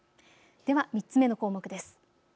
では３つ目の項目です。